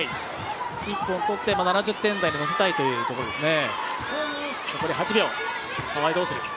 １本とって７０点台にのせたいというところですね。